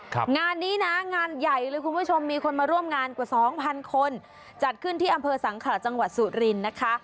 งานนี้นะงานใหญ่เลยคุณผู้ชมมีคนมาร่วมงานกว่าสองพันคนจัดขึ้นที่อำเภอสังขระจังหวัดสุรินทร์นะคะ